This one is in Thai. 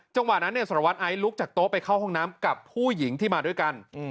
จังหวะนั้นสารวัตรไอซ์ลุกจากโต๊ะไปเข้าห้องน้ำกับผู้หญิงที่มาด้วยกัน